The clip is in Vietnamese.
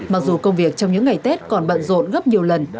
mặc dù công việc trong những ngày tết còn bận rộn gấp nhiều lần